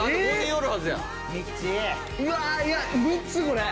これ。